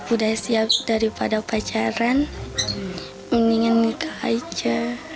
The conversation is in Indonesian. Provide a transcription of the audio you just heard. udah siap daripada pacaran mendingan nikah aja